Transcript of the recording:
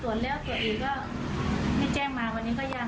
หลายวันแล้วก็ยังไม่แจ้งเราก็เพิ่งแจ้งวันนี้เอง